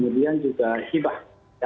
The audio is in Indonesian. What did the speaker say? itu juga hibah